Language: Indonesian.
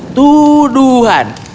aku membawakanmu beri alasan